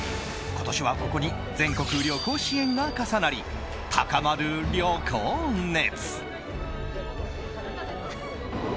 今年はここに全国旅行支援が重なり高まる旅行熱。